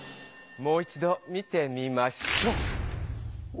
もう一ど見てみましょ！